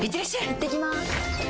いってきます！